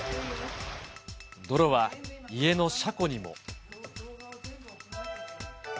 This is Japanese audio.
泥は家の車庫にも。